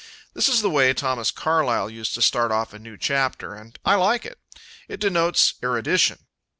This is the way Thomas Carlyle used to start off a new chapter, and I like it. It denotes erudition.